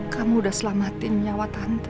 kamu udah selamatin nyawa tante